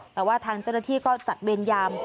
แต่ว่าทางเจ้าหน้าที่ก็จัดเวรยาม